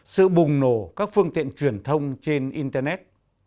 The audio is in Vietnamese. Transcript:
sự bùng nổ các phương tiện truyền thông trên internet